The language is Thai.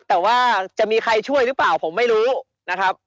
แต่ว่าจะมีใครช่วยหรือเปล่าผมไม่รู้นะครับ